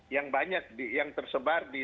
yang banyak yang tersebar di